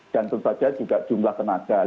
dan tentu saja juga jumlah tenaga